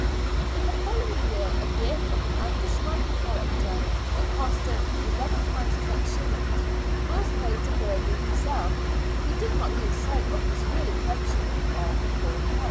In the following year a gift of an undescribed character, but costing £11 los., was made to Burghley himself, who did not lose sight of his yearly " pension " of £^.